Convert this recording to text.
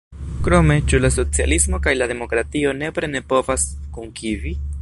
Krome, ĉu la socialismo kaj la demokratio nepre ne povas kunvivi?